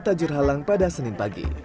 tajur halang pada senin pagi